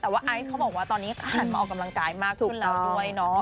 แต่ว่าไอซ์เขาบอกว่าตอนนี้หันมาออกกำลังกายมากขึ้นแล้วด้วยเนาะ